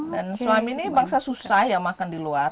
dan suami ini bangsa susah ya makan di luar